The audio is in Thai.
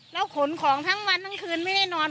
แล้วขนของทั้งวันทั้งคืนไม่ได้นอน